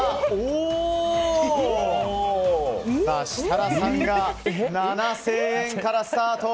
設楽さんが７０００円からスタート。